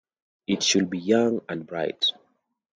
It should be young and bright.